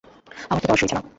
আমার তো তর সইছে না।